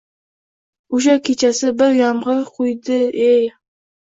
Oʼsha kechasi bir yomgʼir qoʼydi-ey…